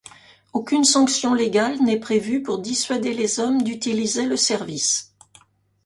Aucune sanction légale n'est prévue pour dissuader les hommes d'utiliser le service.